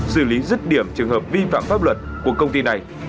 xử lý rứt điểm trường hợp vi phạm pháp luật của công ty này